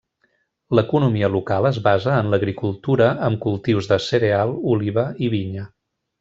L'economia local es basa en l'agricultura amb cultius de cereal, oliva i vinya.